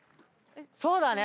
そうだね。